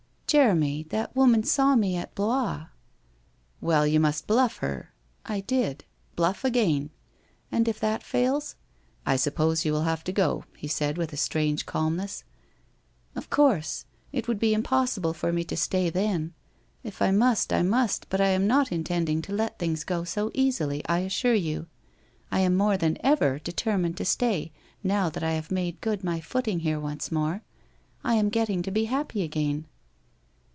' Jeremy, that woman saw me at Blois.' ' Well, you must bluff her.' < I did.' 'Bluff again.' ' And if that fails ?'' I suppose you will have to go,' he said with strange calmness. ' Of course ! It would be impossible for me to stay, then. If I must, I must, but I am not intending to let things go so easily, I assure you. I am more than ever determined to stay now that I have made good my footing here once more. I am getting to be happy again.'